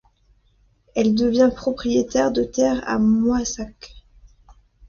Elle devient propriétaire de terres à Moissac.